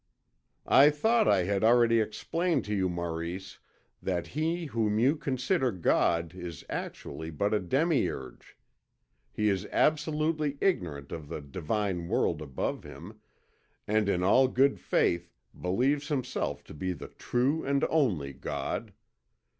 "I thought I had already explained to you, Maurice, that He whom you consider God is actually but a demiurge. He is absolutely ignorant of the divine world above him, and in all good faith believes himself to be the true and only God.